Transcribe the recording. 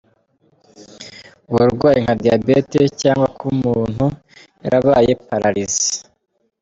Uburwayi nka diyabeti cyangwa kuba umuntu yarabaye pararize ’Paralyse".